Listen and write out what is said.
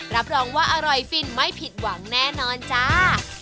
รับรองว่าอร่อยฟินไม่ผิดหวังแน่นอนจ้า